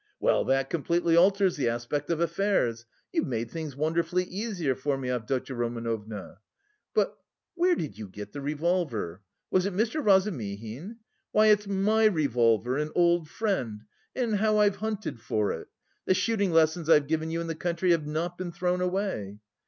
"Well, that completely alters the aspect of affairs. You've made things wonderfully easier for me, Avdotya Romanovna. But where did you get the revolver? Was it Mr. Razumihin? Why, it's my revolver, an old friend! And how I've hunted for it! The shooting lessons I've given you in the country have not been thrown away."